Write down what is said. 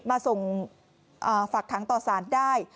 มาส่งฝากค้างต่อสารได้